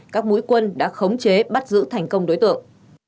các mũi quân đã khống chế bắt giữ thành công đối tượng